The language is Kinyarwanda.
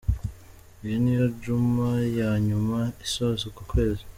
Iyi ni yo Djuma ya nyuma isoza uku kwezi.